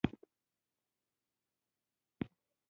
غول د خواږه مشروباتو دښمن دی.